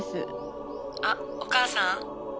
☎あっお母さん？